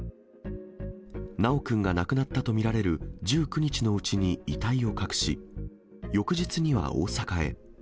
修くんが亡くなったと見られる１９日のうちに遺体を隠し、翌日には大阪へ。